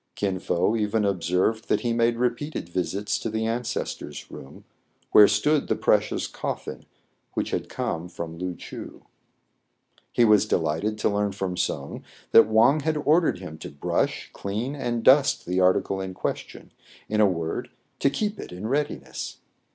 Kin Fo even observed that he made repeated visits to the ancestors' room, where stood the precious coffin which had come from Loo Choo. He was delighted to learn from Soun that Wang had ordered him to brush, clean, and dust the article in question ; in a word, to keep it in readiness.